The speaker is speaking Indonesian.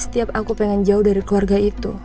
setiap aku pengen jauh dari keluarga itu